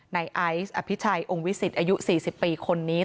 ไอซ์อภิชัยองค์วิสิตอายุ๔๐ปีคนนี้